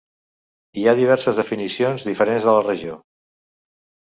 Hi ha diverses definicions diferents de la regió.